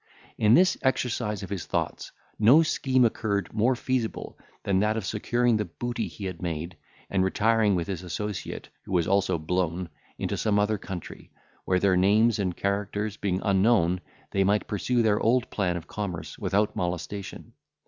In this exercise of his thoughts, no scheme occurred more feasible than that of securing the booty he had made, and retiring with his associate, who was also blown, into some other country, where their names and characters being unknown, they might pursue their old plan of commerce without molestation.